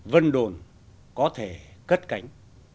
vân đồn có thể cất cánh